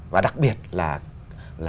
và đặc biệt là